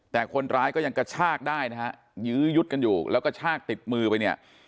แต่คนร้ายก็ยังกระชากได้นะฮะยื้อยุดกันอยู่แล้วก็ชากติดมือไปเนี่ย